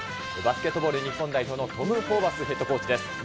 バスケットボール日本代表のトム・ホーバスヘッドコーチです。